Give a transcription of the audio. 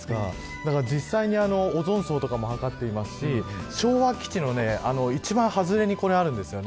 だから実際にオゾン層とかも測っていますし昭和基地の一番外れにこれ、あるんですよね。